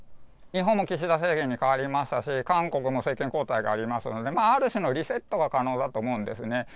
日本も岸田政権に代わりましたし、韓国も政権交代がありますので、ある種のリセットが可能だと思うんですね。